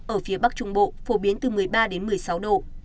ở phía bắc trung bộ phổ biến từ một mươi ba đến một mươi sáu độ